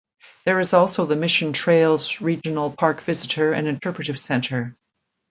There is also the Mission Trails Regional Park Visitor and Interpretive Center.